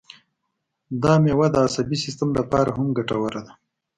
دا مېوه د عصبي سیستم لپاره هم ګټوره ده.